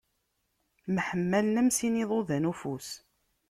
Mḥemmalen am sin iḍudan n ufus.